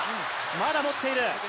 まだ持っている。